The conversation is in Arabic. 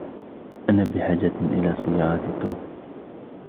أنا بحاجة إلى سيارة توم.